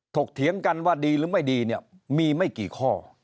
เถียงกันว่าดีหรือไม่ดีเนี่ยมีไม่กี่ข้อ